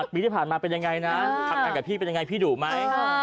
ปีที่ผ่านมาเป็นยังไงนะทำงานกับพี่เป็นยังไงพี่ดุไหม